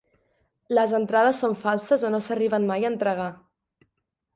Les entrades son falses o no s'arriben mai a entregar.